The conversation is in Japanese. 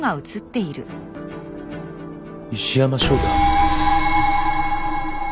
石山翔太！？